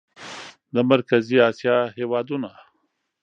د مرکزي اسیا هېوادونه